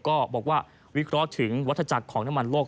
ก็บอกว่าวิเคราะห์ถึงวัฒจักรของน้ำมันโลก